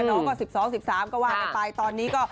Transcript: น้องก็๑๒๑๓ก็วานไป